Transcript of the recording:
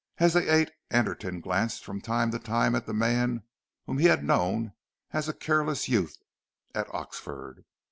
As they ate, Anderton glanced from time to time at the man whom he had known as a careless youth at Oxford.